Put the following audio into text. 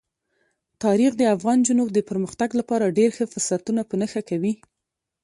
تاریخ د افغان نجونو د پرمختګ لپاره ډېر ښه فرصتونه په نښه کوي.